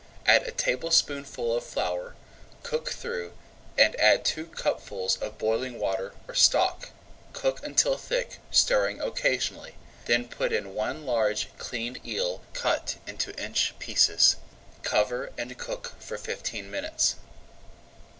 Add a tablespoonful of flour, cook through, and add two cupfuls of boiling water or stock. Cook until thick, stirring constantly, then put in one large cleaned eel cut into inch pieces; cover and cook for fifteen minutes.